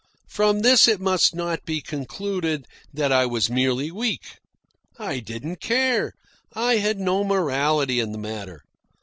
From this it must not be concluded that I was merely weak. I didn't care. I had no morality in the matter.